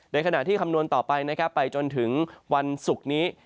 ในขณะที่คำนวณต่อไปไปจนถึงวันศุกร์นี้